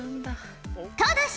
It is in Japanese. ただし！